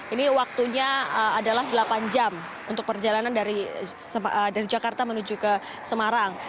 ini waktunya adalah delapan jam untuk perjalanan dari jakarta menuju ke semarang